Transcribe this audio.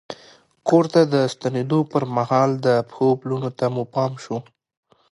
کور ته د ستنېدو پر مهال د پښو پلونو ته مو پام شو.